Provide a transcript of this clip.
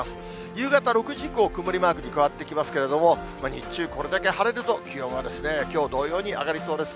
夕方６時以降、曇りマークに変わってきますけれども、日中これだけ晴れると気温はですね、きょう同様に上がりそうです。